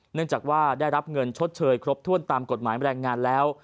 เนื่องจากว่าได้รับเงินชดเชยครบถ้วนตามกฎหมายแรงงานแล้ว